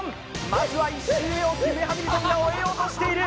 まずは１周目をキム・ハミルトンが終えようとしている。